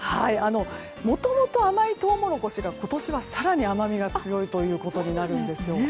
もともと甘いトウモロコシが、今年は更に甘みが強いということになるんですよ。